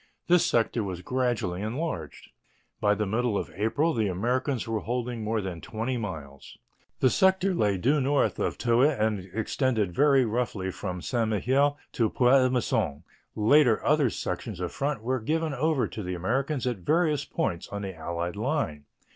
This sector was gradually enlarged. By the middle of April the Americans were holding more than twenty miles. The sector lay due north of Toul and extended very roughly from Saint Mihiel to Pont à Mousson. Later other sections of front were given over to the Americans at various points on the Allied line.